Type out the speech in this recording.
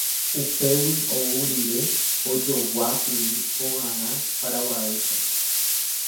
Upégui ou rire, ojoguákuri hogarã Paraguaýpe.